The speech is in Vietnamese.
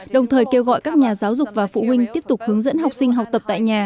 đồng thời kêu gọi các nhà giáo dục và phụ huynh tiếp tục hướng dẫn học sinh học tập tại nhà